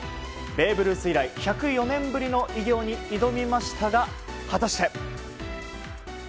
ベーブ・ルース以来１０４年ぶりの偉業に挑みましたが果たして。